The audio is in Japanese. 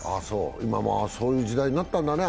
今はもうそういう時代になったんだね。